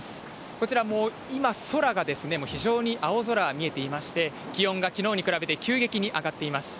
こちら、今、空、もう非常に青空が見えていまして、気温がきのうに比べて急激に上がっています。